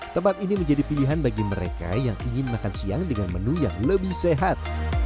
tempat ini menjadi pilihan bagi mereka yang ingin makan siang dengan menu yang lebih sehat